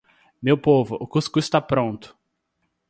meu povo, o cuscuz tá pronto!